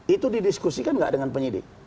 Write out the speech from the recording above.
itu didiskusikan nggak dengan penyidik